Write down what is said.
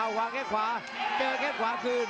วางแค่ขวาเจอแค่ขวาคืน